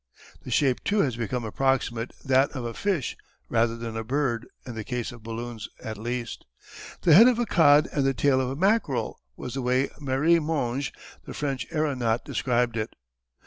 The shape too has come to approximate that of a fish rather than a bird, in the case of balloons at least. "The head of a cod and the tail of a mackerel," was the way Marey Monge, the French aeronaut described it.